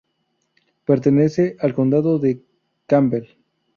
Pertenece al Condado de Campbell.